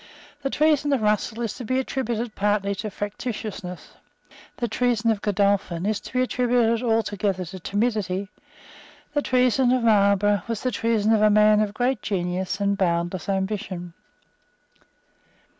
The treason of Russell is to be attributed partly to fractiousness; the treason of Godolphin is to be attributed altogether to timidity; the treason of Marlborough was the treason of a man of great genius and boundless ambition.